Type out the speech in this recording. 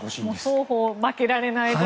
双方負けられない。